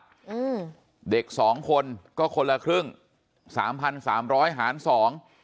อืมเด็กสองคนก็คนละครึ่งสามพันสามร้อยหารสอง